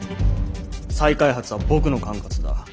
再開発は僕の管轄だ！